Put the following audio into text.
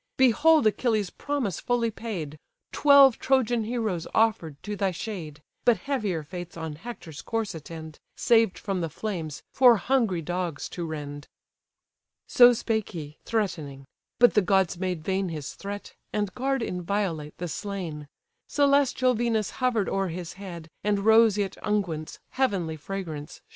Behold Achilles' promise fully paid, Twelve Trojan heroes offer'd to thy shade; But heavier fates on Hector's corse attend, Saved from the flames, for hungry dogs to rend." So spake he, threatening: but the gods made vain His threat, and guard inviolate the slain: Celestial Venus hover'd o'er his head, And roseate unguents, heavenly fragrance!